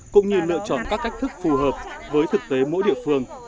cũng như lựa chọn các cách thức phù hợp với thực tế mỗi địa phương